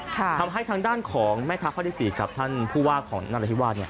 ทำให้ทางด้านของแม่ทัพพระฤทธิศีท่านผู้ว่าของนาฏิวาส